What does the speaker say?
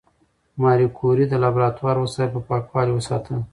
ماري کوري د لابراتوار وسایل په پاکوالي وساتل.